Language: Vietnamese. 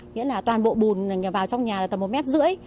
nghĩa là toàn bộ bùn vào trong nhà là tầm một mét rưỡi